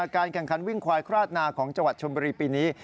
การแข่งขันวิ่งควายคราดนาของจังหวัดชมบุรีปีนี้